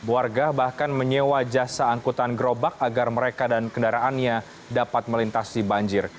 warga bahkan menyewa jasa angkutan gerobak agar mereka dan kendaraannya dapat melintasi banjir